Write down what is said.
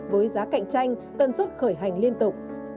với giá cạnh tranh tần suất khởi hành liên tục